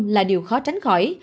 là điều khó tránh khỏi